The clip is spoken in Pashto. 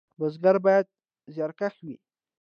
بزګر باید زیارکښ وي